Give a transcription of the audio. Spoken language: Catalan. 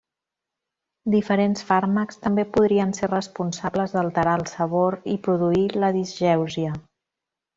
Diferents fàrmacs també podrien ser responsables d’alterar el sabor i produir la disgèusia.